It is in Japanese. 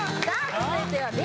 続いてはＢ